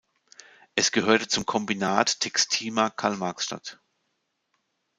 Es gehörte zum Kombinat Textima Karl-Marx-Stadt.